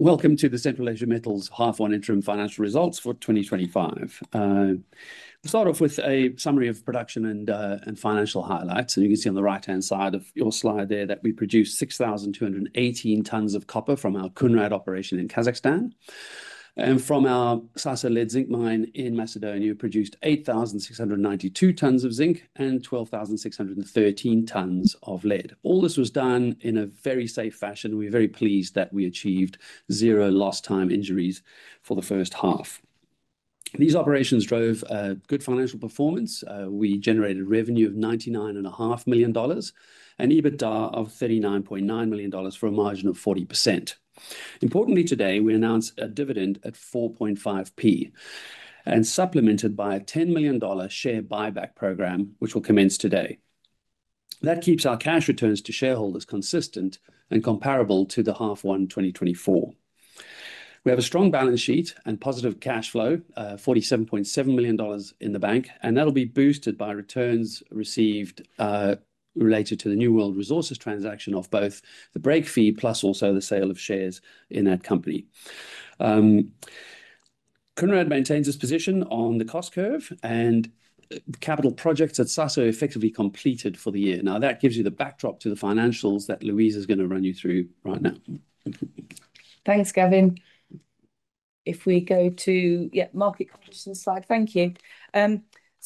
Welcome to the Central Asia Metals High Fine Interim Financial Results for 2025. We'll start off with a summary of production and financial highlights. You can see on the right-hand side of your slide there that we produced 6,218 tonnes of copper from our Kounrad operation in Kazakhstan. From our Sasa lead-zinc mine in North Macedonia, we produced 8,692 tonnes of zinc and 12,613 tonnes of lead. All this was done in a very safe fashion. We're very pleased that we achieved zero lost time injuries for the first half. These operations drove good financial performance. We generated revenue of $99.5 million and EBITDA of $39.9 million for a margin of 40%. Importantly, today we announced a dividend at £0.045 and supplemented by a $10 million share buyback program, which will commence today. That keeps our cash returns to shareholders consistent and comparable to the half one 2024. We have a strong balance sheet and positive cash flow, $47.7 million in the bank, and that'll be boosted by returns received related to the New World Resources transaction of both the break fee plus also the sale of shares in that company. Kounrad maintains its position on the cost curve and the capital projects at Sasa are effectively completed for the year. That gives you the backdrop to the financials that Louise is going to run you through right now. Thanks, Gavin. If we go to, yeah, market conditions slide. Thank you.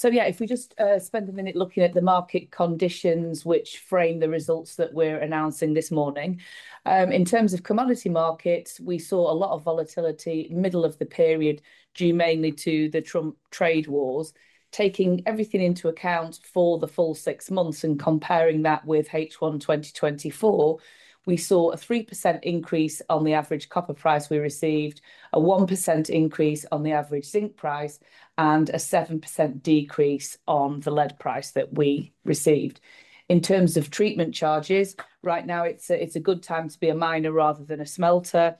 If we just spend a minute looking at the market conditions which frame the results that we're announcing this morning. In terms of commodity markets, we saw a lot of volatility middle of the period due mainly to the Trump trade wars. Taking everything into account for the full six months and comparing that with H1 2024, we saw a 3% increase on the average copper price we received, a 1% increase on the average zinc price, and a 7% decrease on the lead price that we received. In terms of treatment charges, right now it's a good time to be a miner rather than a smelter.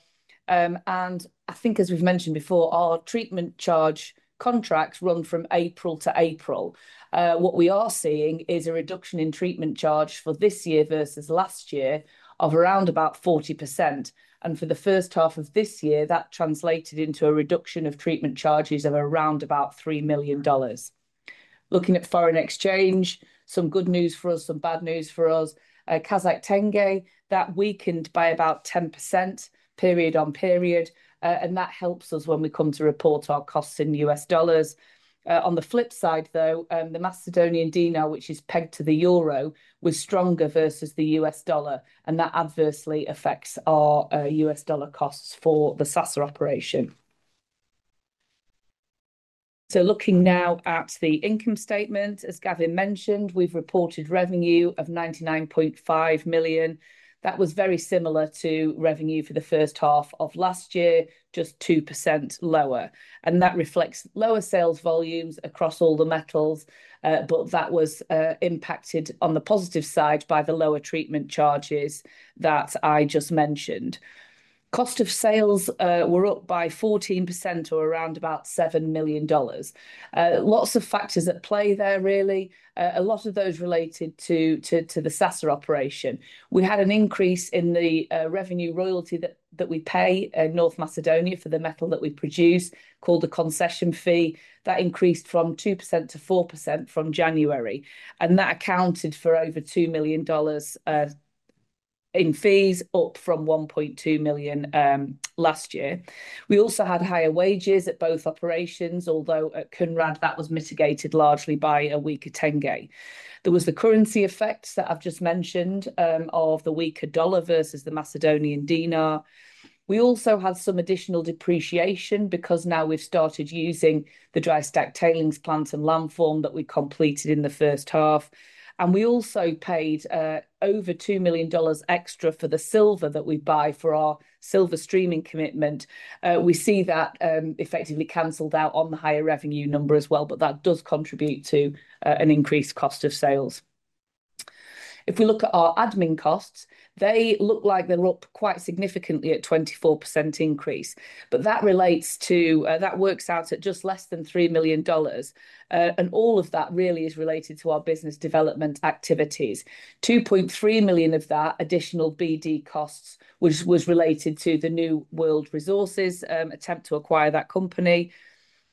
I think, as we've mentioned before, our treatment charge contracts run from April to April. What we are seeing is a reduction in treatment charge for this year versus last year of around 40%. For the first half of this year, that translated into a reduction of treatment charges of around $3 million. Looking at foreign exchange, some good news for us, some bad news for us. Kazakh Tenge weakened by about 10% period on period, and that helps us when we come to report our costs in U.S. dollars. On the flip side, the Macedonian dinar, which is pegged to the euro, was stronger versus the U.S. dollar, and that adversely affects our U.S. dollar costs for the Sasa operation. Looking now at the income statement, as Gavin mentioned, we've reported revenue of $99.5 million. That was very similar to revenue for the first half of last year, just 2% lower. That reflects lower sales volumes across all the metals, but that was impacted on the positive side by the lower treatment charges that I just mentioned. Cost of sales were up by 14% or around $7 million. Lots of factors at play there, really. A lot of those related to the Sasa operation. We had an increase in the revenue royalty that we pay North Macedonia for the metal that we produce, called the concession fee. That increased from 2% to 4% from January, and that accounted for over $2 million in fees, up from $1.2 million last year. We also had higher wages at both operations, although at Kounrad that was mitigated largely by a weaker Tenge. There was the currency effects that I've just mentioned of the weaker dollar versus the Macedonian dinar. We also had some additional depreciation because now we've started using the dry stack tailings plant and landform that we completed in the first half. We also paid over $2 million extra for the silver that we buy for our silver streaming commitment. We see that effectively cancelled out on the higher revenue number as well, but that does contribute to an increased cost of sales. If we look at our admin costs, they look like they're up quite significantly at a 24% increase, but that works out at just less than $3 million. All of that really is related to our business development activities. $2.3 million of that additional BD cost was related to the New World Resources attempt to acquire that company.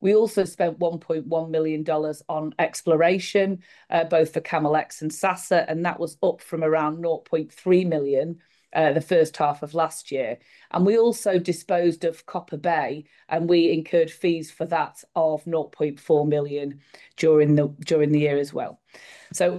We also spent $1.1 million on exploration, both for CamelX and Sasa, and that was up from around $0.3 million the first half of last year. We also disposed of Copper Bay, and we incurred fees for that of $0.4 million during the year as well.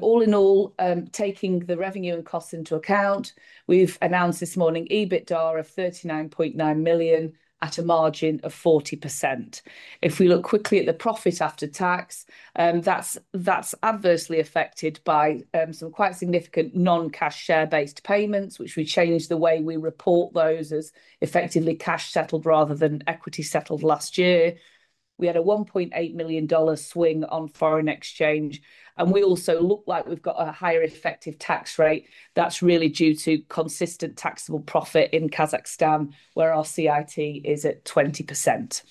All in all, taking the revenue and costs into account, we've announced this morning EBITDA of $39.9 million at a margin of 40%. If we look quickly at the profit after tax, that's adversely affected by some quite significant non-cash share-based payments, which we changed the way we report those as effectively cash settled rather than equity settled last year. We had a $1.8 million swing on foreign exchange, and we also look like we've got a higher effective tax rate. That's really due to consistent taxable profit in Kazakhstan, where our CIT is at 20%.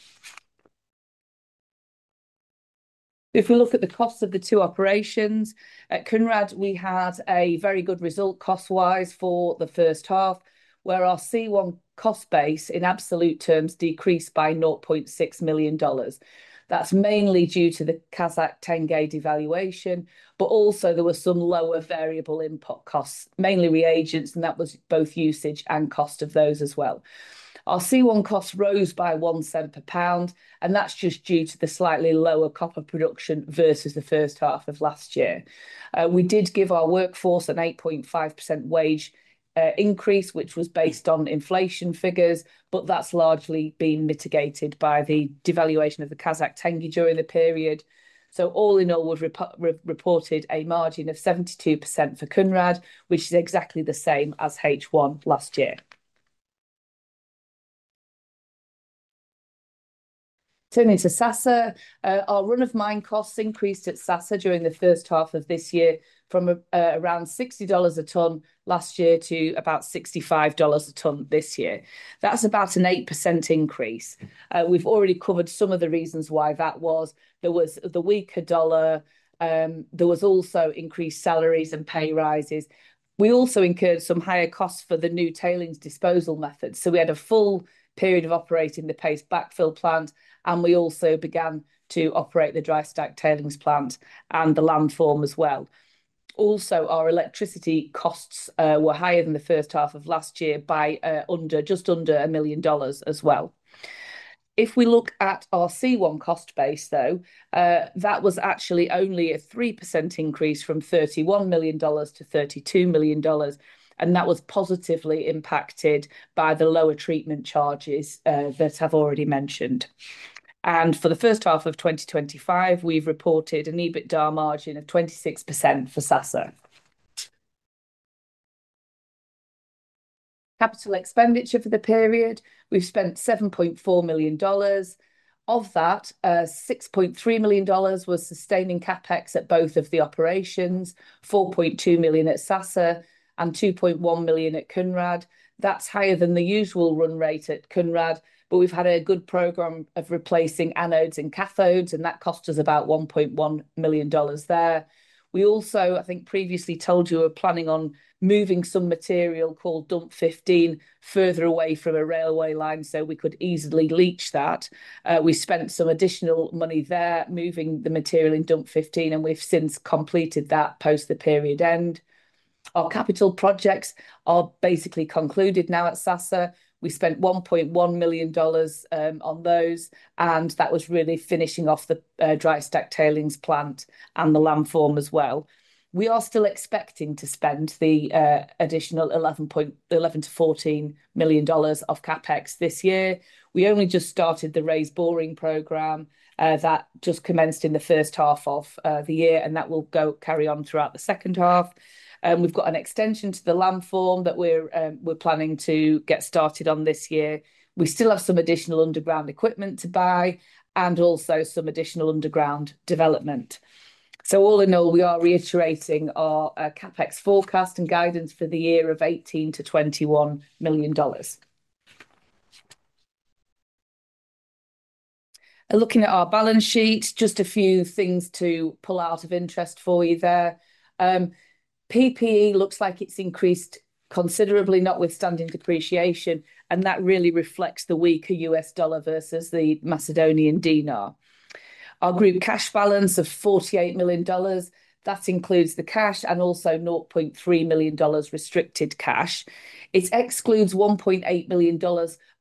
If we look at the cost of the two operations, at Kounrad we had a very good result cost-wise for the first half, where our C1 cost base in absolute terms decreased by $0.6 million. That's mainly due to the Kazakh Tenge devaluation, but also there were some lower variable input costs, mainly reagents, and that was both usage and cost of those as well. Our C1 cost rose by $0.01 per pound, and that's just due to the slightly lower copper production versus the first half of last year. We did give our workforce an 8.5% wage increase, which was based on inflation figures, but that's largely been mitigated by the devaluation of the Kazakh Tenge during the period. All in all, we've reported a margin of 72% for Kounrad, which is exactly the same as H1 last year. Turning to Sasa, our run of mine costs increased at Sasa during the first half of this year from around $60 a tonne last year to about $65 a tonne this year. That's about an 8% increase. We've already covered some of the reasons why that was. There was the weaker dollar. There were also increased salaries and pay rises. We also incurred some higher costs for the new tailings disposal method. We had a full period of operating the paste backfill plant, and we also began to operate the dry stack tailings plant and the landform as well. Our electricity costs were higher than the first half of last year by just under $1 million as well. If we look at our C1 cost base, that was actually only a 3% increase from $31 million to $32 million, and that was positively impacted by the lower treatment charges that I've already mentioned. For the first half of 2025, we've reported an EBITDA margin of 26% for Sasa. Capital expenditure for the period, we've spent $7.4 million. Of that, $6.3 million was sustaining CAPEX at both of the operations, $4.2 million at Sasa and $2.1 million at Kounrad. That's higher than the usual run rate at Kounrad, but we've had a good program of replacing anodes and cathodes, and that cost us about $1.1 million there. We also, I think previously told you, were planning on moving some material called Dump 15 further away from a railway line so we could easily leach that. We spent some additional money there moving the material in Dump 15, and we've since completed that post the period end. Our capital projects are basically concluded now at Sasa. We spent $1.1 million on those, and that was really finishing off the dry stack tailings plant and the landform as well. We are still expecting to spend the additional $11 to $14 million of CAPEX this year. We only just started the raised boring program that just commenced in the first half of the year, and that will carry on throughout the second half. We've got an extension to the landform that we're planning to get started on this year. We still have some additional underground equipment to buy and also some additional underground development. All in all, we are reiterating our CAPEX forecast and guidance for the year of $18 to $21 million. Looking at our balance sheet, just a few things to pull out of interest for you there. PPE looks like it's increased considerably, notwithstanding depreciation, and that really reflects the weaker US dollar versus the Macedonian dinar. Our group cash balance of $48 million includes the cash and also $0.3 million restricted cash. It excludes $1.8 million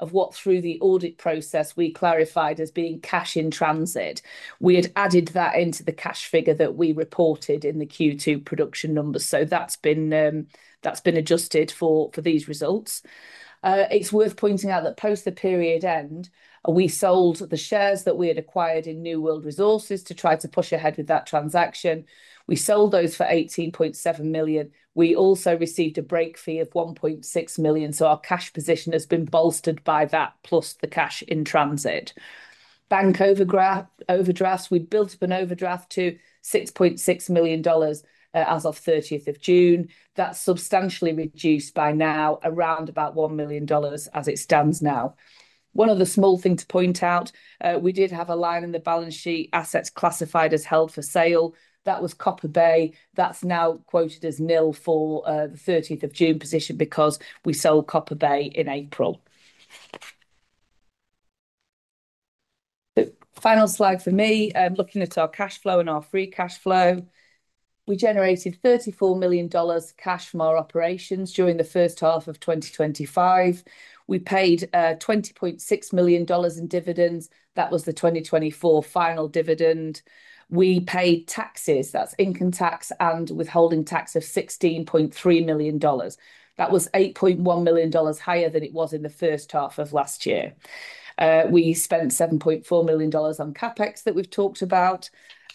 of what through the audit process we clarified as being cash in transit. We had added that into the cash figure that we reported in the Q2 production numbers, so that's been adjusted for these results. It's worth pointing out that post the period end, we sold the shares that we had acquired in New World Resources to try to push ahead with that transaction. We sold those for $18.7 million. We also received a break fee of $1.6 million, so our cash position has been bolstered by that plus the cash in transit. Bank overdrafts, we built up an overdraft to $6.6 million as of 30th of June. That's substantially reduced by now, around about $1 million as it stands now. One other small thing to point out, we did have a line in the balance sheet assets classified as held for sale. That was Copper Bay. That's now quoted as nil for the 30th of June position because we sold Copper Bay in April. Final slide for me, looking at our cash flow and our free cash flow. We generated $34 million cash from our operations during the first half of 2025. We paid $20.6 million in dividends. That was the 2024 final dividend. We paid taxes, that's income tax and withholding tax of $16.3 million. That was $8.1 million higher than it was in the first half of last year. We spent $7.4 million on CAPEX that we've talked about,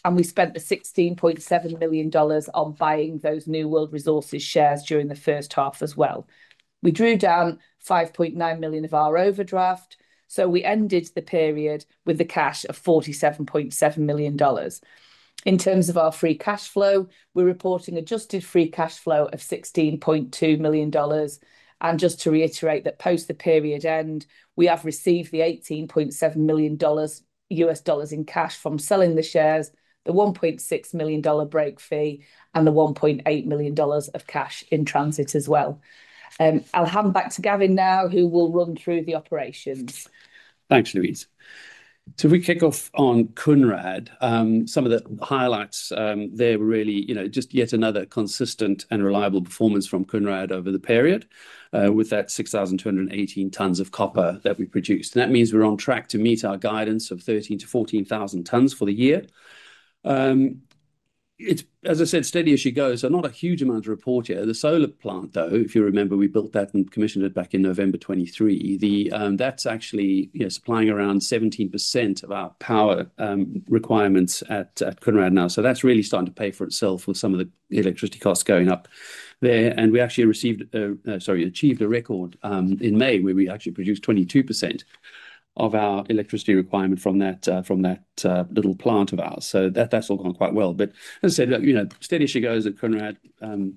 and we spent the $16.7 million on buying those New World Resources shares during the first half as well. We drew down $5.9 million of our overdraft, so we ended the period with the cash of $47.7 million. In terms of our free cash flow, we're reporting adjusted free cash flow of $16.2 million. Just to reiterate that post the period end, we have received the $18.7 million US dollars in cash from selling the shares, the $1.6 million break fee, and the $1.8 million of cash in transit as well. I'll hand back to Gavin now, who will run through the operations. Thanks, Louise. To kick off on Kounrad, some of the highlights there were really, you know, just yet another consistent and reliable performance from Kounrad over the period with that 6,218 tonnes of copper that we produced. That means we're on track to meet our guidance of 13,000 to 14,000 tonnes for the year. As I said, steady as she goes, not a huge amount to report yet. The solar plant, though, if you remember, we built that and commissioned it back in November 2023. That's actually, you know, supplying around 17% of our power requirements at Kounrad now. That's really starting to pay for itself with some of the electricity costs going up there. We actually achieved a record in May where we produced 22% of our electricity requirement from that little plant of ours. That's all gone quite well. As I said, you know, steady as she goes at Kounrad,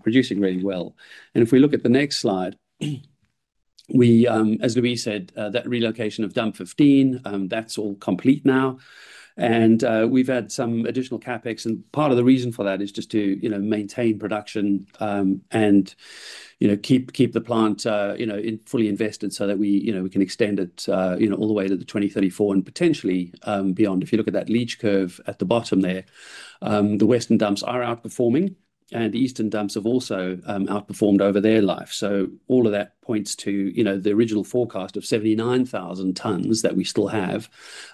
producing really well. If we look at the next slide, as Louise said, that relocation of Dump 15, that's all complete now. We've had some additional CAPEX, and part of the reason for that is just to, you know, maintain production and keep the plant fully invested so that we can extend it all the way to 2034 and potentially beyond. If you look at that leach curve at the bottom there, the western dumps are outperforming and the eastern dumps have also outperformed over their life. All of that points to the original forecast of 79,000 tonnes that we still have.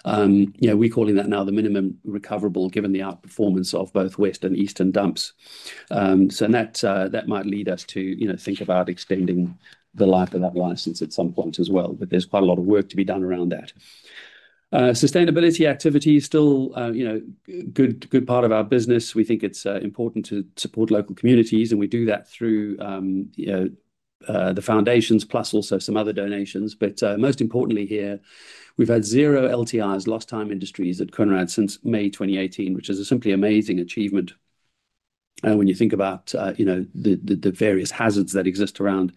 We're calling that now the minimum recoverable given the outperformance of both west and eastern dumps. That might lead us to think about extending the life of that license at some point as well. There's quite a lot of work to be done around that. Sustainability activity is still a good part of our business. We think it's important to support local communities and we do that through the foundations plus also some other donations. Most importantly here, we've had zero lost time injuries at Kounrad since May 2018, which is a simply amazing achievement when you think about the various hazards that exist around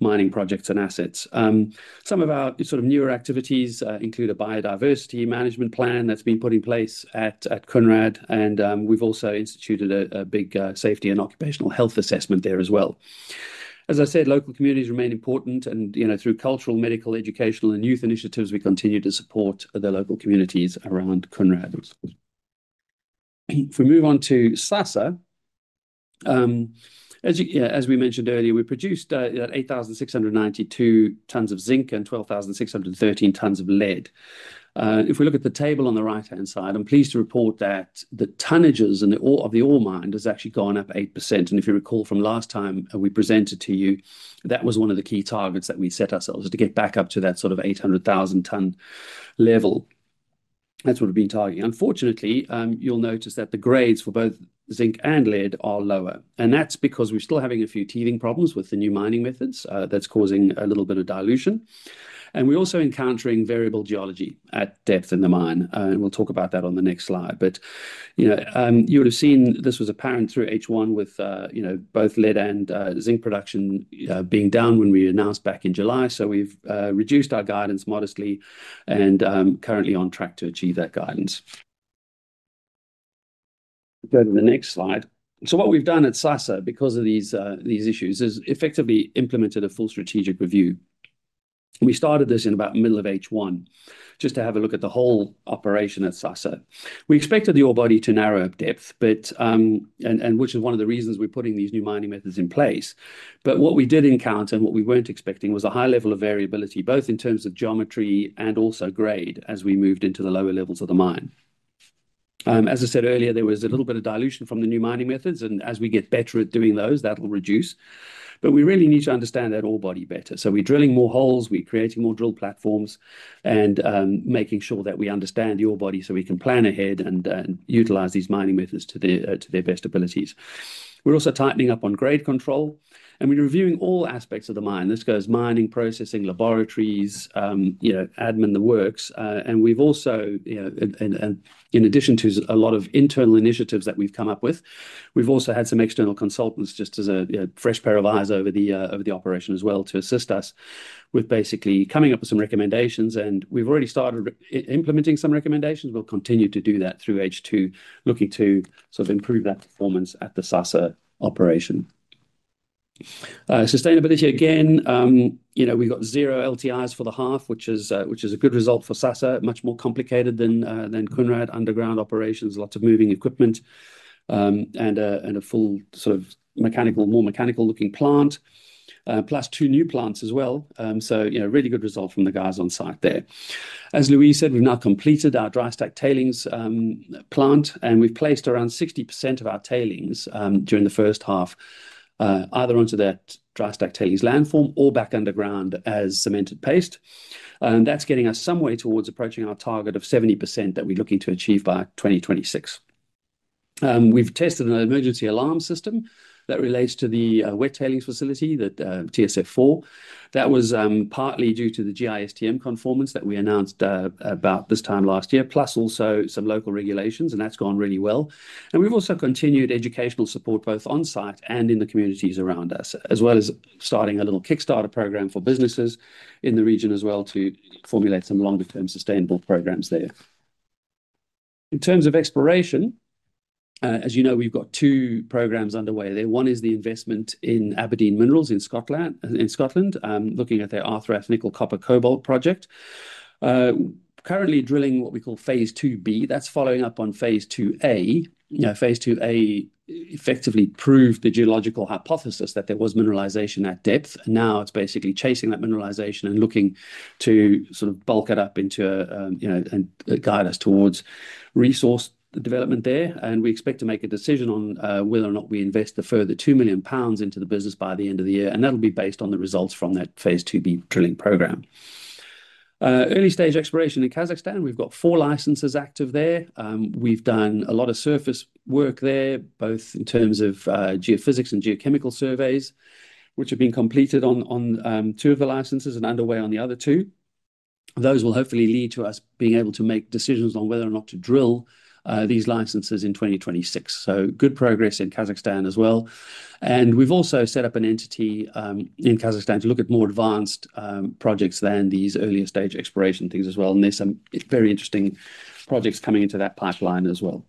mining projects and assets. Some of our sort of newer activities include a biodiversity management plan that's been put in place at Kounrad and we've also instituted a big safety and occupational health assessment there as well. As I said, local communities remain important and, you know, through cultural, medical, educational, and youth initiatives, we continue to support the local communities around Kounrad. If we move on to Sasa, as we mentioned earlier, we produced 8,692 tonnes of zinc and 12,613 tonnes of lead. If we look at the table on the right-hand side, I'm pleased to report that the tonnages of the ore mined has actually gone up 8%. If you recall from last time we presented to you, that was one of the key targets that we set ourselves to get back up to that sort of 800,000 ton level. That's what we've been targeting. Unfortunately, you'll notice that the grades for both zinc and lead are lower. That's because we're still having a few teething problems with the new mining methods that's causing a little bit of dilution. We're also encountering variable geology at depth in the mine. We'll talk about that on the next slide. You would've seen this was apparent through H1 with both lead and zinc production being down when we announced back in July. We've reduced our guidance modestly and are currently on track to achieve that guidance. Go to the next slide. What we've done at Sasa because of these issues is effectively implemented a full strategic review. We started this in about the middle of H1 just to have a look at the whole operation at Sasa. We expected the ore body to narrow at depth, which is one of the reasons we're putting these new mining methods in place. What we did encounter and what we weren't expecting was a high level of variability both in terms of geometry and also grade as we moved into the lower levels of the mine. As I said earlier, there was a little bit of dilution from the new mining methods and as we get better at doing those, that'll reduce. We really need to understand that ore body better. We're drilling more holes, we're creating more drill platforms and making sure that we understand the ore body so we can plan ahead and utilize these mining methods to their best abilities. We're also tightening up on grade control and we're reviewing all aspects of the mine. This goes mining, processing, laboratories, admin, the works. In addition to a lot of internal initiatives that we've come up with, we've also had some external consultants just as a fresh pair of eyes over the operation as well to assist us with basically coming up with some recommendations. We've already started implementing some recommendations. We'll continue to do that through H2, looking to sort of improve that performance at the Sasa operation. Sustainability again, you know, we got zero lost time injuries for the half, which is a good result for Sasa, much more complicated than Kounrad underground operations, lots of moving equipment and a full sort of mechanical, more mechanical looking plant plus two new plants as well. Really good result from the guys on site there. As Louise said, we've now completed our dry stack tailings plant and we've placed around 60% of our tailings during the first half either onto that dry stack tailings landform or back underground as cemented paste. That's getting us some way towards approaching our target of 70% that we're looking to achieve by 2026. We've tested an emergency alarm system that relates to the wet tailings facility, the TSF-4. That was partly due to the GISTM conformance that we announced about this time last year, plus also some local regulations, and that's gone really well. We've also continued educational support both on site and in the communities around us, as well as starting a little Kickstarter program for businesses in the region to formulate some longer-term sustainable programs there. In terms of exploration, as you know, we've got two programs underway there. One is the investment in Aberdeen Minerals in Scotland, looking at their Arthraf Nickel Copper Cobalt project. Currently drilling what we call phase 2B, that's following up on phase 2A. Phase 2A effectively proved the geological hypothesis that there was mineralization at depth. Now it's basically chasing that mineralization and looking to sort of bulk it up into a, you know, and guide us towards resource development there. We expect to make a decision on whether or not we invest a further £2 million into the business by the end of the year. That'll be based on the results from that phase 2B drilling program. Early stage exploration in Kazakhstan, we've got four licenses active there. We've done a lot of surface work there, both in terms of geophysics and geochemical surveys, which have been completed on two of the licenses and underway on the other two. Those will hopefully lead to us being able to make decisions on whether or not to drill these licenses in 2026. Good progress in Kazakhstan as well. We have also set up an entity in Kazakhstan to look at more advanced projects than these earlier stage exploration things as well. There are some very interesting projects coming into that pipeline as well.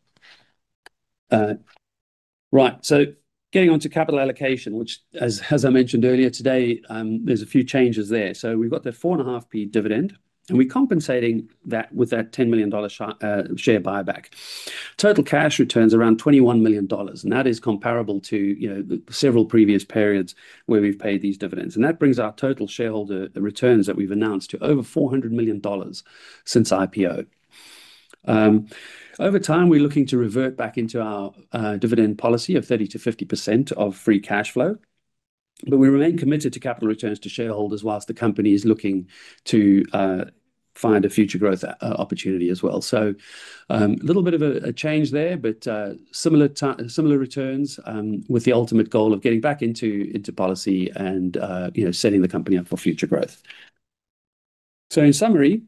Getting onto capital allocation, which as I mentioned earlier today, there are a few changes there. We have the 4.5p dividend and we are compensating that with that $10 million share buyback. Total cash returns are around $21 million, and that is comparable to several previous periods where we have paid these dividends. That brings our total shareholder returns that we have announced to over $400 million since IPO. Over time, we are looking to revert back into our dividend policy of 30% to 50% of free cash flow, but we remain committed to capital returns to shareholders whilst the company is looking to find a future growth opportunity as well. There is a little bit of a change there, but similar returns with the ultimate goal of getting back into policy and setting the company up for future growth. In summary,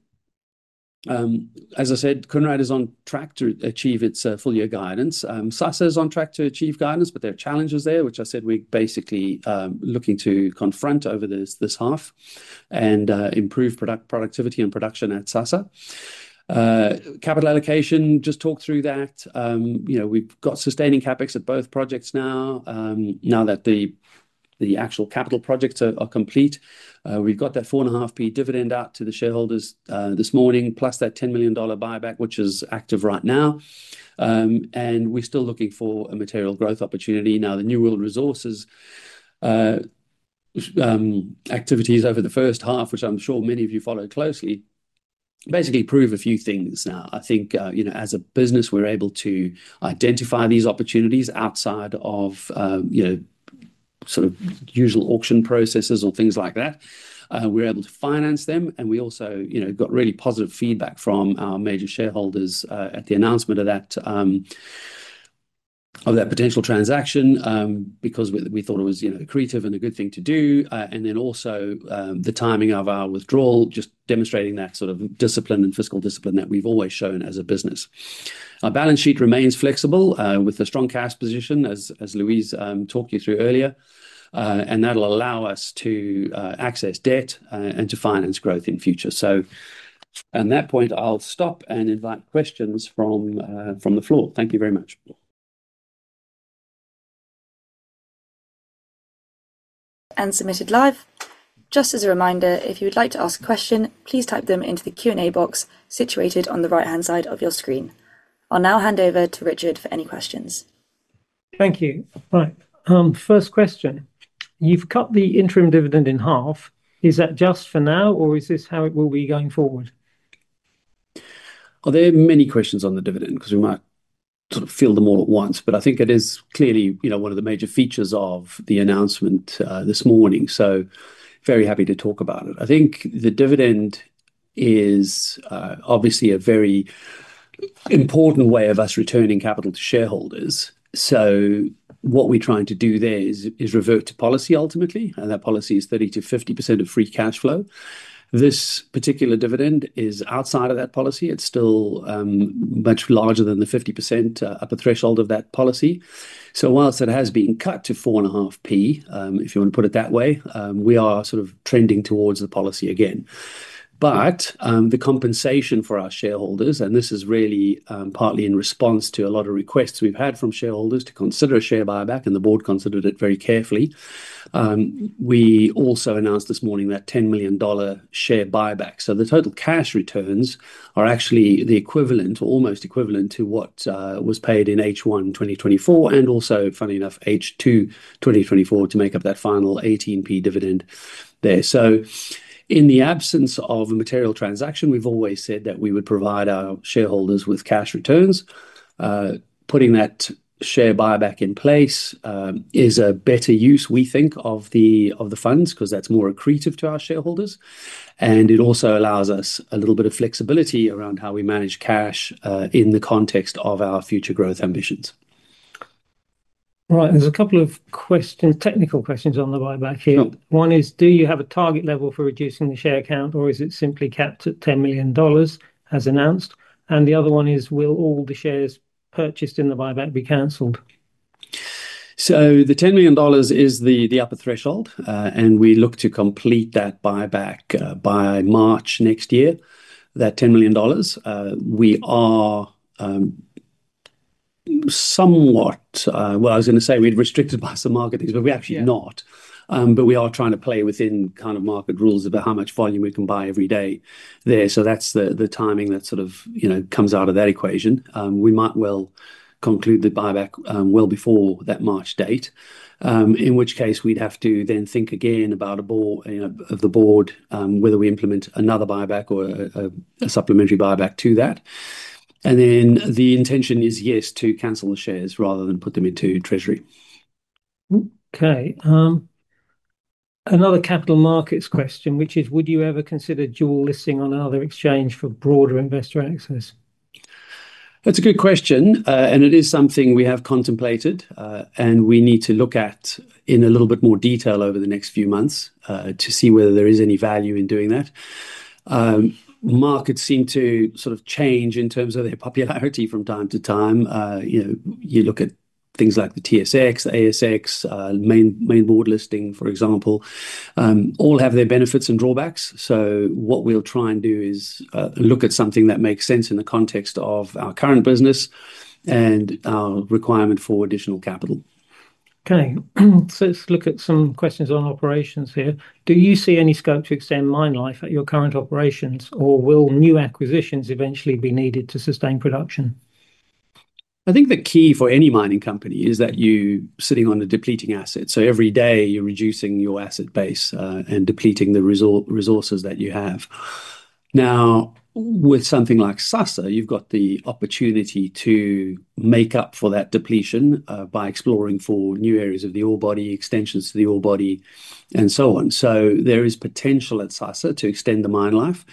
as I said, Kounrad is on track to achieve its full year guidance. Sasa is on track to achieve guidance, but there are challenges there, which I said we are basically looking to confront over this half and improve productivity and production at Sasa. Capital allocation, just talked through that. We have sustaining CAPEX at both projects now. Now that the actual capital projects are complete, we have that 4.5p dividend out to the shareholders this morning, plus that $10 million buyback, which is active right now. We are still looking for a material growth opportunity. The New World Resources activities over the first half, which I am sure many of you followed closely, basically prove a few things now. I think as a business, we are able to identify these opportunities outside of usual auction processes or things like that. We are able to finance them and we also got really positive feedback from our major shareholders at the announcement of that potential transaction because we thought it was creative and a good thing to do. The timing of our withdrawal also demonstrated that sort of discipline and fiscal discipline that we have always shown as a business. Our balance sheet remains flexible with a strong cash position, as Louise talked you through earlier. That will allow us to access debt and to finance growth in future. At that point, I'll stop and invite questions from the floor. Thank you very much. Submitted live. Just as a reminder, if you would like to ask a question, please type them into the Q&A box situated on the right-hand side of your screen. I'll now hand over to Richard for any questions. Thank you. All right. First question, you've cut the interim dividend in half. Is that just for now or is this how it will be going forward? There are many questions on the dividend because we might sort of fill them all at once, but I think it is clearly, you know, one of the major features of the announcement this morning. Very happy to talk about it. I think the dividend is obviously a very important way of us returning capital to shareholders. What we're trying to do there is revert to policy ultimately. That policy is 30% to 50% of free cash flow. This particular dividend is outside of that policy. It's still much larger than the 50% upper threshold of that policy. Whilst it has been cut to £0.045, if you want to put it that way, we are sort of trending towards the policy again. The compensation for our shareholders, and this is really partly in response to a lot of requests we've had from shareholders to consider a share buyback, and the board considered it very carefully. We also announced this morning that $10 million share buyback. The total cash returns are actually the equivalent or almost equivalent to what was paid in H1 2024 and also, funny enough, H2 2024 to make up that final £0.18 dividend there. In the absence of a material transaction, we've always said that we would provide our shareholders with cash returns. Putting that share buyback in place is a better use, we think, of the funds because that's more accretive to our shareholders. It also allows us a little bit of flexibility around how we manage cash in the context of our future growth ambitions. Right. There's a couple of questions, technical questions on the buyback here. One is, do you have a target level for reducing the share count or is it simply kept at $10 million as announced? The other one is, will all the shares purchased in the buyback be cancelled? The $10 million is the upper threshold, and we look to complete that buyback by March next year, that $10 million. We are somewhat, I was going to say we'd restrict it by some markets, but we're actually not. We are trying to play within kind of market rules about how much volume we can buy every day there. That's the timing that sort of comes out of that equation. We might well conclude the buyback well before that March date, in which case we'd have to then think again about the board, whether we implement another buyback or a supplementary buyback to that. The intention is, yes, to cancel the shares rather than put them into treasury. Okay. Another capital markets question, which is, would you ever consider dual listing on either exchange for broader investor access? That's a good question, and it is something we have contemplated. We need to look at it in a little bit more detail over the next few months to see whether there is any value in doing that. Markets seem to change in terms of their popularity from time to time. You know, you look at things like the TSX, ASX, main board listing, for example, all have their benefits and drawbacks. What we'll try and do is look at something that makes sense in the context of our current business and our requirement for additional capital. Okay. Let's look at some questions on operations here. Do you see any scope to extend mine life at your current operations, or will new acquisitions eventually be needed to sustain production? I think the key for any mining company is that you're sitting on the depleting assets. Every day you're reducing your asset base and depleting the resources that you have. Now, with something like Sasa, you've got the opportunity to make up for that depletion by exploring for new areas of the ore body, extensions to the ore body, and so on. There is potential at Sasa to extend the mine life,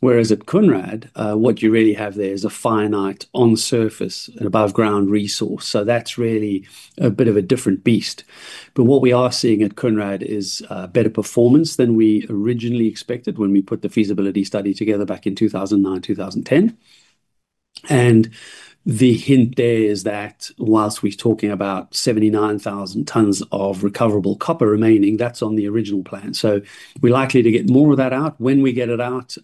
whereas at Kounrad, what you really have there is a finite on-surface and above-ground resource. That's really a bit of a different beast. What we are seeing at Kounrad is better performance than we originally expected when we put the feasibility study together back in 2009, 2010. The hint there is that whilst we're talking about 79,000 tonnes of recoverable copper remaining, that's on the original plan. We're likely to get more of that out. When we get it out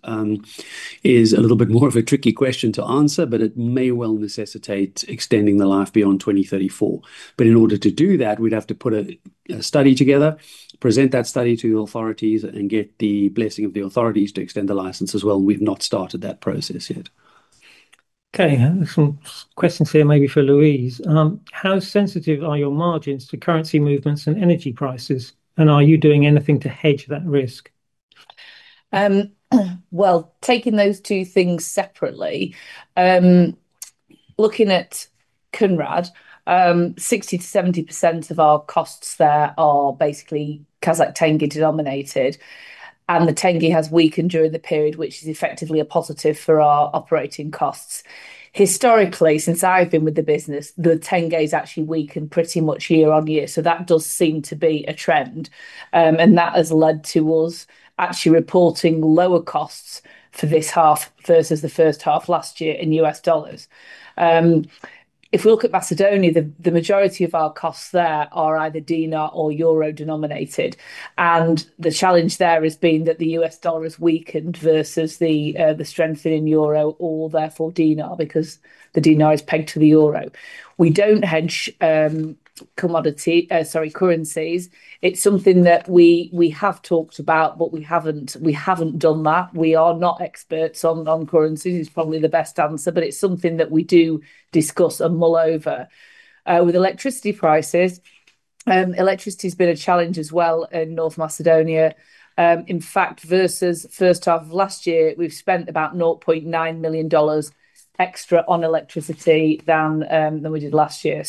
is a little bit more of a tricky question to answer, but it may well necessitate extending the life beyond 2034. In order to do that, we'd have to put a study together, present that study to the authorities, and get the blessing of the authorities to extend the license as well. We've not started that process yet. Okay. Some questions here maybe for Louise. How sensitive are your margins to currency movements and energy prices, and are you doing anything to hedge that risk? Taking those two things separately, looking at Kounrad, 60% to 70% of our costs there are basically Kazakh Tenge denominated, and the Tenge has weakened during the period, which is effectively a positive for our operating costs. Historically, since I've been with the business, the Tenge has actually weakened pretty much year on year. That does seem to be a trend, and that has led to us actually reporting lower costs for this half versus the first half last year in U.S. dollars. If we look at North Macedonia, the majority of our costs there are either dinar or euro denominated, and the challenge there has been that the U.S. dollar has weakened versus the strengthening euro or therefore dinar because the dinar is pegged to the euro. We don't hedge currencies. It's something that we have talked about, but we haven't done that. We are not experts on currencies, probably the best answer, but it's something that we do discuss and mull over. With electricity prices, electricity has been a challenge as well in North Macedonia. In fact, versus the first half of last year, we've spent about $0.9 million extra on electricity than we did last year.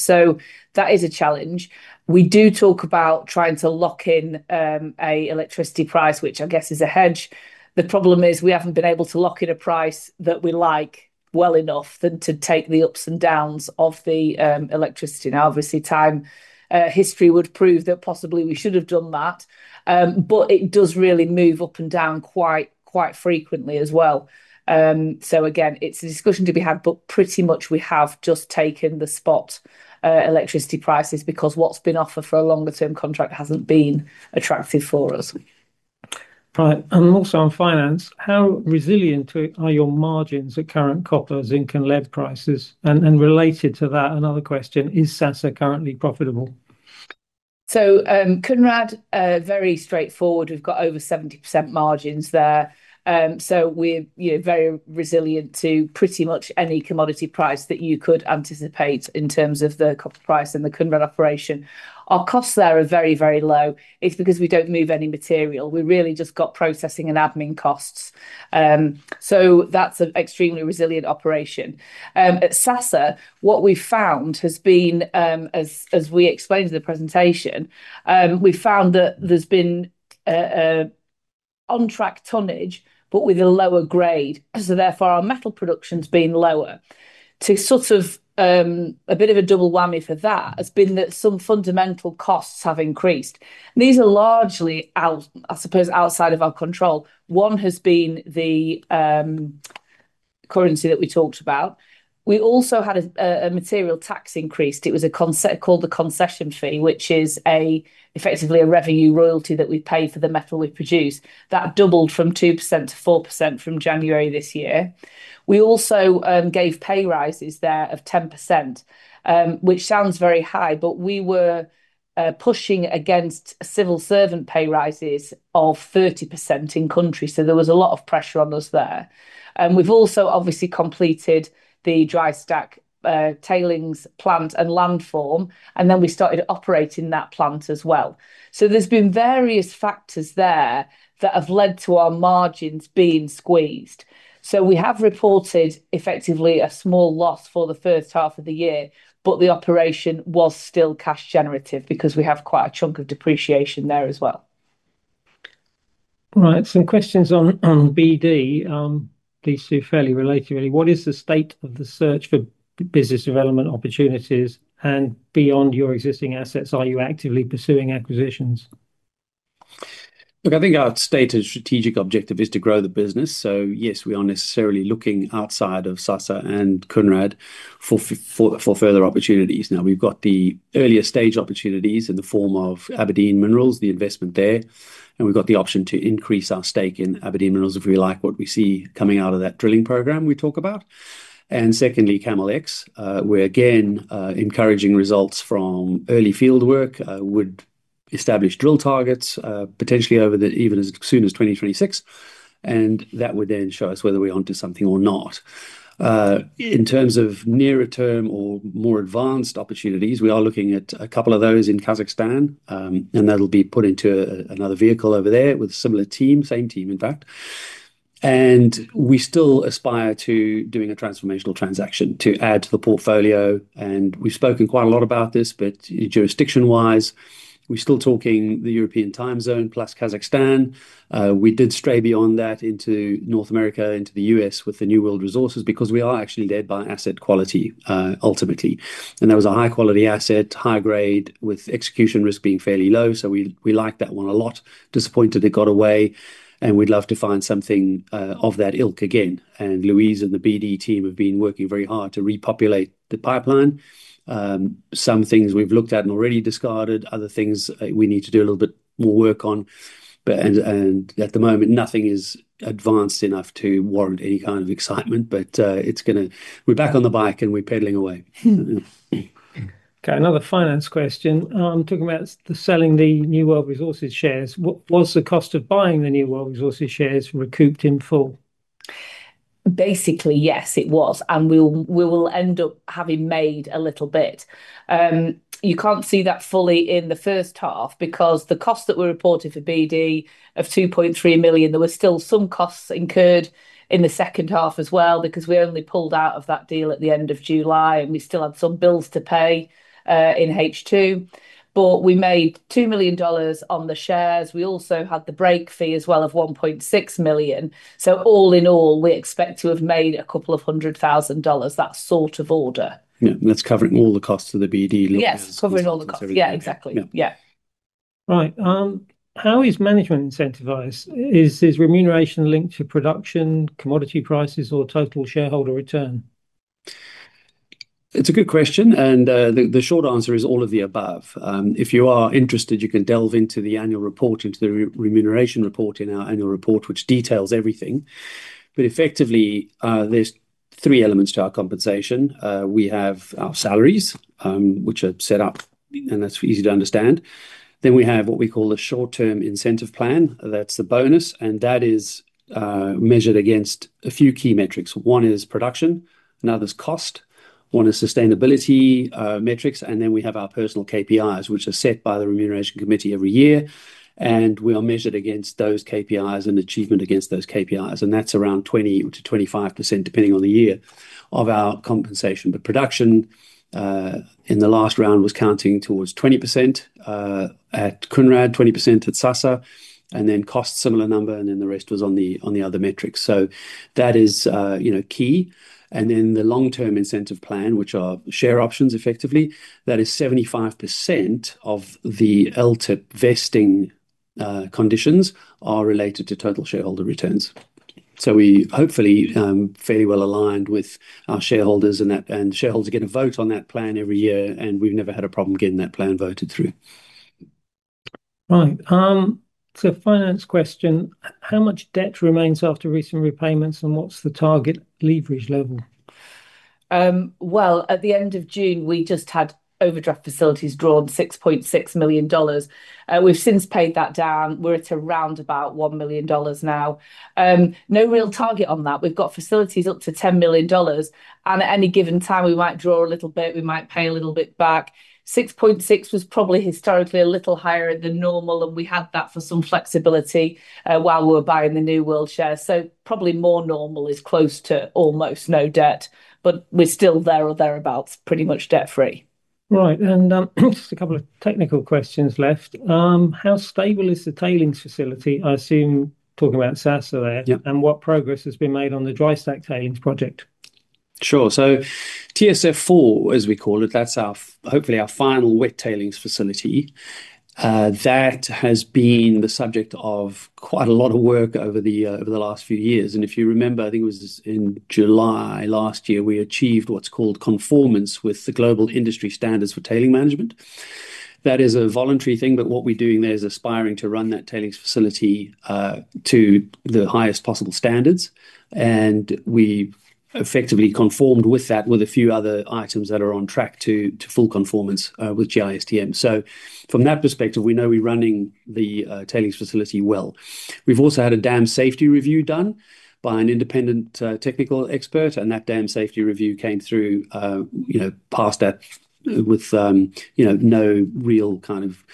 That is a challenge. We do talk about trying to lock in an electricity price, which I guess is a hedge. The problem is we haven't been able to lock in a price that we like well enough to take the ups and downs of the electricity. Obviously, time history would prove that possibly we should have done that, but it does really move up and down quite frequently as well. Again, it's a discussion to be had, but pretty much we have just taken the spot electricity prices because what's been offered for a longer-term contract hasn't been attractive for us. Right. Also on finance, how resilient are your margins at current copper, zinc, and lead prices? Related to that, another question, is Sasa currently profitable? Kounrad, very straightforward. We've got over 70% margins there. We're very resilient to pretty much any commodity price that you could anticipate in terms of the copper price and the Kounrad operation. Our costs there are very, very low. It's because we don't move any material. We really just got processing and admin costs. That's an extremely resilient operation. At Sasa, what we've found has been, as we explained in the presentation, we've found that there's been on-track tonnage, but with a lower grade. Therefore, our metal production's been lower. A bit of a double whammy for that has been that some fundamental costs have increased. These are largely, I suppose, outside of our control. One has been the currency that we talked about. We also had a material tax increase. It was called the concession fee, which is effectively a revenue royalty that we pay for the metal we produce. That doubled from 2% to 4% from January this year. We also gave pay rises there of 10%, which sounds very high, but we were pushing against civil servant pay rises of 30% in country. There was a lot of pressure on us there. We've also obviously completed the dry stack tailings plant and landform, and then we started operating that plant as well. There have been various factors there that have led to our margins being squeezed. We have reported effectively a small loss for the first half of the year, but the operation was still cash generative because we have quite a chunk of depreciation there as well. Right. Some questions on BD. These two are fairly related really. What is the state of the search for business development opportunities beyond your existing assets? Are you actively pursuing acquisitions? Look, I think our stated strategic objective is to grow the business. Yes, we aren't necessarily looking outside of Sasa and Kounrad for further opportunities. We've got the earlier stage opportunities in the form of Aberdeen Minerals, the investment there, and we've got the option to increase our stake in Aberdeen Minerals if we like what we see coming out of that drilling program we talk about. Secondly, CamelX, we're again encouraging results from early field work, would establish drill targets potentially even as soon as 2026, and that would then show us whether we're onto something or not. In terms of nearer term or more advanced opportunities, we are looking at a couple of those in Kazakhstan, and that'll be put into another vehicle over there with a similar team, same team in fact. We still aspire to doing a transformational transaction to add to the portfolio, and we've spoken quite a lot about this, but jurisdiction-wise, we're still talking the European time zone plus Kazakhstan. We did stray beyond that into North America, into the U.S. with the New World Resources because we are actually there by asset quality ultimately. That was a high-quality asset, high grade, with execution risk being fairly low. We liked that one a lot, disappointed it got away, and we'd love to find something of that ilk again. Louise and the BD team have been working very hard to repopulate the pipeline. Some things we've looked at and already discarded, other things we need to do a little bit more work on. At the moment, nothing is advanced enough to warrant any kind of excitement, but it's going to, we're back on the bike and we're pedaling away. Okay. Another finance question. Talking about selling the New World Resources shares, was the cost of buying the New World Resources shares recouped in full? Basically, yes, it was, and we will end up having made a little bit. You can't see that fully in the first half because the cost that we reported for BD of $2.3 million, there were still some costs incurred in the second half as well because we only pulled out of that deal at the end of July, and we still have some bills to pay in H2. We made $2 million on the shares. We also had the break fee as well of $1.6 million. All in all, we expect to have made a couple of hundred thousand dollars, that sort of order. Yeah, that's covering all the costs of the BD looking at. Yes, covering all the costs. Yeah, exactly. Yeah. Right. How is management incentivized? Is remuneration linked to production, commodity prices, or total shareholder return? It's a good question, and the short answer is all of the above. If you are interested, you can delve into the annual report, into the remuneration report in our annual report, which details everything. Effectively, there's three elements to our compensation. We have our salaries, which are set up, and that's easy to understand. We have what we call a short-term incentive plan. That's the bonus, and that is measured against a few key metrics. One is production, another's cost, one is sustainability metrics, and we have our personal KPIs, which are set by the Remuneration Committee every year. We are measured against those KPIs and achievement against those KPIs, and that's around 20% to 25% depending on the year of our compensation. The production in the last round was counting towards 20% at Kounrad, 20% at Sasa, and costs a similar number, and the rest was on the other metrics. That is key. The long-term incentive plan, which are share options effectively, that is 75% of the LTIP vesting conditions are related to total shareholder returns. We hopefully are fairly well aligned with our shareholders, and shareholders get a vote on that plan every year, and we've never had a problem getting that plan voted through. Right. Finance question, how much debt remains after recent repayments, and what's the target leverage level? At the end of June, we just had overdraft facilities drawn $6.6 million. We've since paid that down. We're at around about $1 million now. No real target on that. We've got facilities up to $10 million, and at any given time, we might draw a little bit, we might pay a little bit back. $6.6 million was probably historically a little higher than normal, and we had that for some flexibility while we were buying the New World Resources shares. Probably more normal is close to almost no debt, but we're still there or thereabouts pretty much debt-free. Right. Just a couple of technical questions left. How stable is the tailings facility? I assume talking about Sasa there, and what progress has been made on the dry stack tailings project? Sure. TSF-4, as we call it, that's hopefully our final wet tailings facility. That has been the subject of quite a lot of work over the last few years. If you remember, I think it was in July last year, we achieved what's called conformance with the Global Industry Standards for Tailings Management. That is a voluntary thing, but what we're doing there is aspiring to run that tailings facility to the highest possible standards. We effectively conformed with that with a few other items that are on track to full conformance with GISTM. From that perspective, we know we're running the tailings facility well. We've also had a dam safety review done by an independent technical expert, and that dam safety review came through, passed that with no real kind of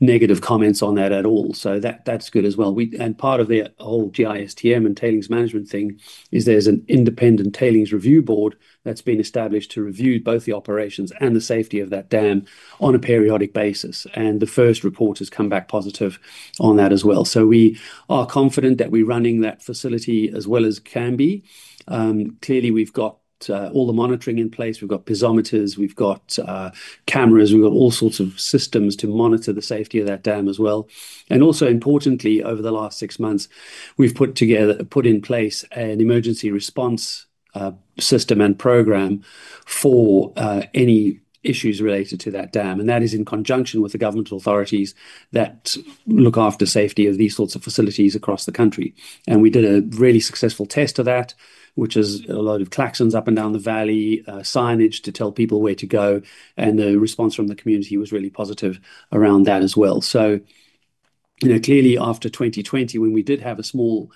negative comments on that at all. That is good as well. Part of the whole GISTM and tailings management thing is there's an independent tailings review board that's been established to review both the operations and the safety of that dam on a periodic basis. The first report has come back positive on that as well. We are confident that we're running that facility as well as can be. Clearly, we've got all the monitoring in place. We've got piezometers, we've got cameras, we've got all sorts of systems to monitor the safety of that dam as well. Also importantly, over the last six months, we've put together, put in place an emergency response system and program for any issues related to that dam. That is in conjunction with the government authorities that look after safety of these sorts of facilities across the country. We did a really successful test of that, which is a load of claxons up and down the valley, signage to tell people where to go. The response from the community was really positive around that as well. Clearly after 2020, when we did have a small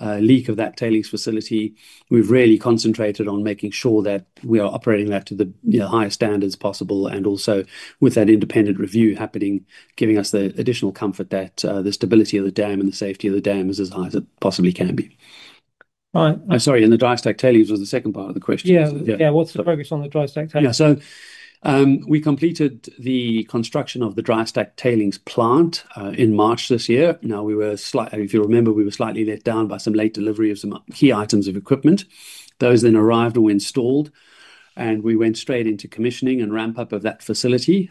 leak of that tailings facility, we've really concentrated on making sure that we are operating that to the highest standards possible. Also with that independent review happening, giving us the additional comfort that the stability of the dam and the safety of the dam is as high as it possibly can be. All right. Sorry, the dry stack tailings was the second part of the question. Yeah, what's the focus on the dry stack tailings? Yeah, so we completed the construction of the dry stack tailings plant in March this year. If you remember, we were slightly let down by some late delivery of some key items of equipment. Those then arrived and were installed, and we went straight into commissioning and ramp-up of that facility.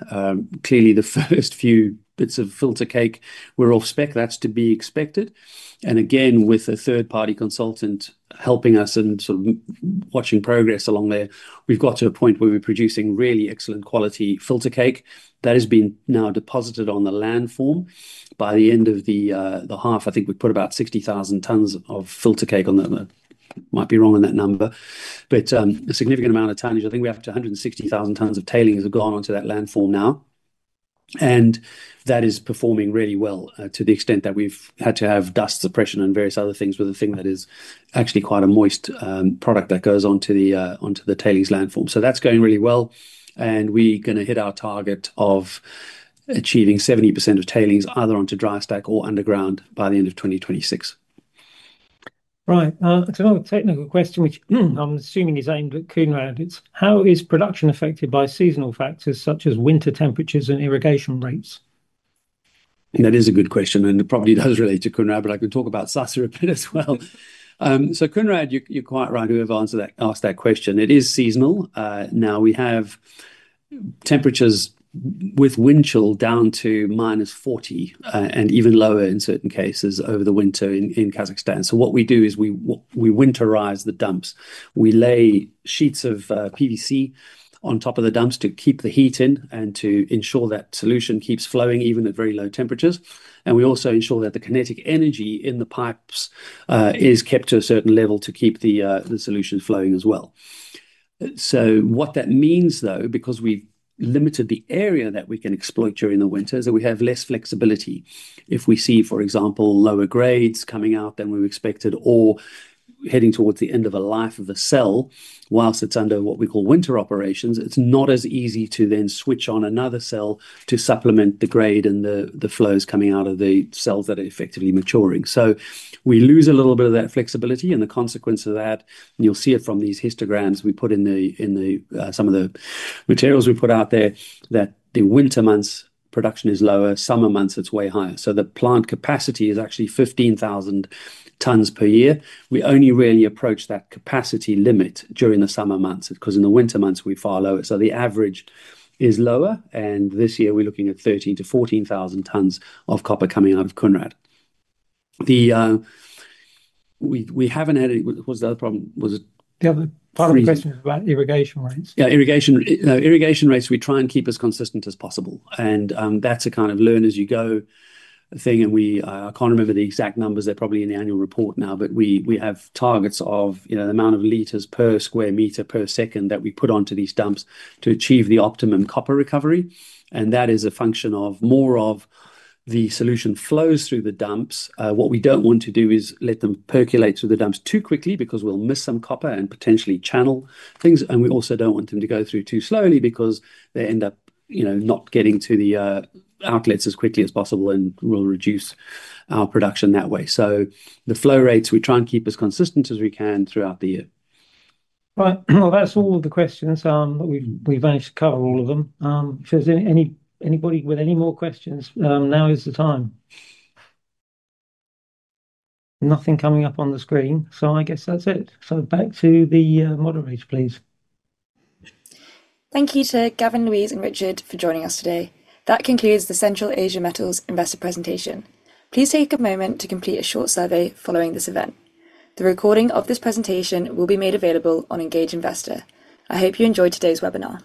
Clearly, the first few bits of filter cake were off spec, that's to be expected. With a third-party consultant helping us and sort of watching progress along there, we've got to a point where we're producing really excellent quality filter cake that has been now deposited on the landform. By the end of the half, I think we put about 60,000 tons of filter cake on that. I might be wrong on that number, but a significant amount of tonnage. I think we're up to 160,000 tons of tailings that have gone onto that landform now. That is performing really well to the extent that we've had to have dust suppression and various other things with a thing that is actually quite a moist product that goes onto the tailings landform. That's going really well, and we're going to hit our target of achieving 70% of tailings either onto dry stack or underground by the end of 2026. Right. It's another technical question, which I'm assuming is aimed at Kounrad. How is production affected by seasonal factors such as winter temperatures and irrigation rates? That is a good question, and it probably does relate to Kounrad, but I can talk about Sasa a bit as well. Kounrad, you're quite right who have asked that question. It is seasonal. Now we have temperatures with wind chill down to minus 40 and even lower in certain cases over the winter in Kazakhstan. What we do is we winterize the dumps. We lay sheets of PVC on top of the dumps to keep the heat in and to ensure that solution keeps flowing even at very low temperatures. We also ensure that the kinetic energy in the pipes is kept to a certain level to keep the solution flowing as well. What that means though, because we've limited the area that we can exploit during the winter, is that we have less flexibility. If we see, for example, lower grades coming out than we've expected or heading towards the end of a life of a cell, whilst it's under what we call winter operations, it's not as easy to then switch on another cell to supplement the grade and the flows coming out of the cells that are effectively maturing. We lose a little bit of that flexibility, and the consequence of that, and you'll see it from these histograms we put in some of the materials we put out there, is that the winter months production is lower, summer months it's way higher. The plant capacity is actually 15,000 tons per year. We only really approach that capacity limit during the summer months because in the winter months we're far lower. The average is lower, and this year we're looking at 13,000 to 14,000 tons of copper coming out of Kounrad. We haven't had, what was the other problem? The other part of the question is about irrigation rates. Yeah, irrigation rates, we try and keep as consistent as possible. That's a kind of learn as you go thing. I can't remember the exact numbers, they're probably in the annual report now, but we have targets of the amount of liters per square meter per second that we put onto these dumps to achieve the optimum copper recovery. That is a function of more of the solution flows through the dumps. What we don't want to do is let them percolate through the dumps too quickly because we'll miss some copper and potentially channel things. We also don't want them to go through too slowly because they end up not getting to the outlets as quickly as possible and will reduce our production that way. The flow rates, we try and keep as consistent as we can throughout the year. Right. That's all the questions. We've managed to cover all of them. If there's anybody with any more questions, now is the time. Nothing coming up on the screen, I guess that's it. Back to the moderators, please. Thank you to Gavin, Louise, and Richard for joining us today. That concludes the Central Asia Metals Investor Presentation. Please take a moment to complete a short survey following this event. The recording of this presentation will be made available on Engage Investor. I hope you enjoyed today's webinar.